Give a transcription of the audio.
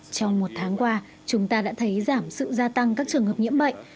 trong một tháng qua chúng ta đã thấy giảm sự gia tăng các trường hợp nhiễm bệnh